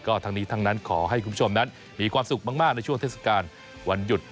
ทั้งนี้ทั้งนั้นขอให้คุณผู้ชมนั้นมีความสุขมากในช่วงเทศกาลวันหยุด